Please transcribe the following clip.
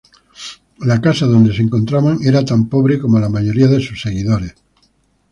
La casa donde se encontraban era tan pobre como la mayoría de sus seguidores.